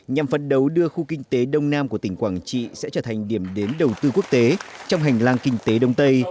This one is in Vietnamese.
nhằm phấn đấu đưa khu kinh tế đông nam của tỉnh quảng trị sẽ trở thành điểm đến đầu tư quốc tế trong hành lang kinh tế đông tây